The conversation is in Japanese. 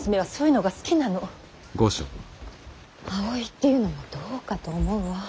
葵っていうのもどうかと思うわ。